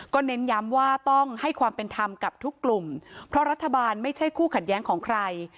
เน้นย้ำว่าต้องให้ความเป็นธรรมกับทุกกลุ่มเพราะรัฐบาลไม่ใช่คู่ขัดแย้งของใคร